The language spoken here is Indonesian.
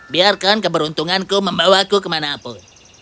biarkan keberuntunganku membawaku kemana pun